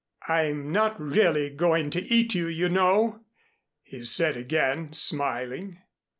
"I'm not really going to eat you, you know," he said again, smiling.